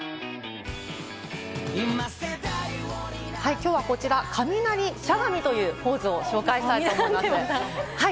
今日はこちら、雷しゃがみというポーズをご紹介したいと思います。